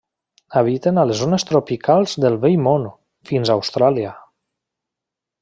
Habiten a les zones tropicals del Vell Món, fins a Austràlia.